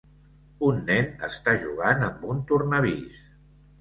Un nen està jugant amb un tornavís.